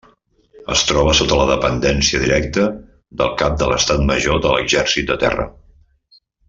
Es troba sota la dependència directa del Cap de l'Estat Major de l'Exèrcit de Terra.